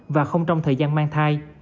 và không trong thời gian mang thai